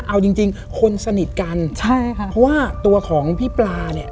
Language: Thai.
เอาจริงจริงคนสนิทกันใช่ค่ะเพราะว่าตัวของพี่ปลาเนี่ย